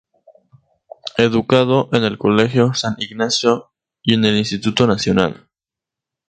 Educado en el Colegio San Ignacio y en el Instituto Nacional.